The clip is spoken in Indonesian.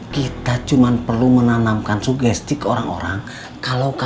kita cuman perlu menanamkan sugesti ke orang orang kalau